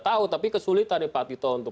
tahu tapi kesulitan ya pak tito untuk